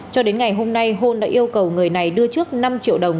cho đến ngày hôm nay hôn đã yêu cầu người này đưa trước năm triệu đồng